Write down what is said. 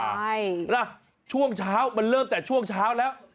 ใช่ล่ะช่วงเช้ามันเริ่มแต่ช่วงเช้าแล้ว